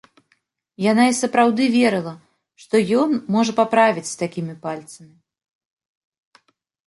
Яна і сапраўды верыла, што ён можа паправіць з такімі пальцамі.